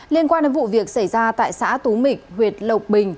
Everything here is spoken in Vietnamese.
liên quan đến vụ việc xảy ra tại xã tú mịch huyện lộc bình